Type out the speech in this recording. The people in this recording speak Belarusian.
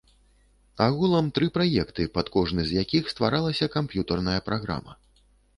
Агулам тры праекты, пад кожны з якіх стваралася камп'ютарная праграма.